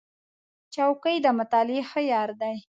چوکۍ د مطالعې ښه یار دی.